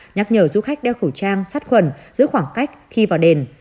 nhắc nhở du khách đeo khẩu trang sát khuẩn giữ khoảng cách khi vào đền